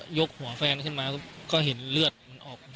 แล้วก็ได้คุยกับนายวิรพันธ์สามีของผู้ตายที่ว่าโดนกระสุนเฉียวริมฝีปากไปนะคะ